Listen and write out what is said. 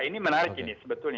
ini menarik ini sebetulnya